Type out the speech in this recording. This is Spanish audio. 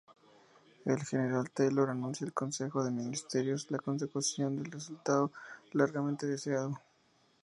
El general Taylor, anuncia al Consejo de Ministros la consecución del resultado largamente deseado.